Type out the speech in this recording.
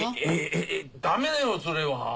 えっえっダメだよそれは！